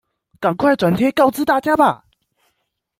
趕快轉貼告知大家吧！